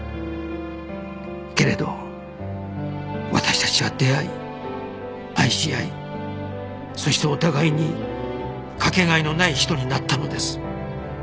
けれど私たちは出会い愛し合いそしてお互いにかけがえのない人になったのです